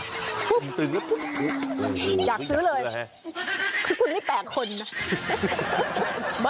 อยากซื้อเลยคือคุณไม่แตกคนนะ